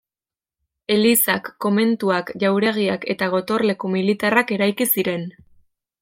Elizak, komentuak, jauregiak eta gotorleku militarrak eraiki ziren.